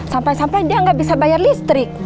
sampai sampai dia nggak bisa bayar listrik